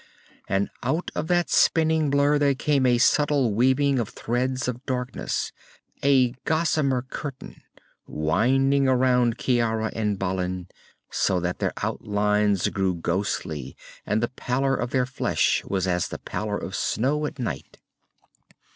And out of that spinning blur there came a subtle weaving of threads of darkness, a gossamer curtain winding around Ciara and Balin so that their outlines grew ghostly and the pallor of their flesh was as the pallor of snow at night.